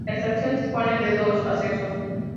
La estación dispone de dos accesos.